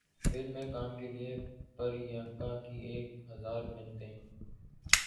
film میں کام کیلئے پریانکا کی ایک ہزار منتیں